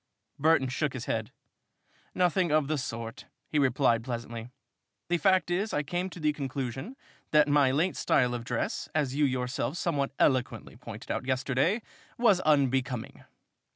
Burton shook his head. "Nothing of the sort," he replied pleasantly. "The fact is I came to the conclusion that my late style of dress, as you yourself somewhat eloquently pointed out yesterday, was unbecoming."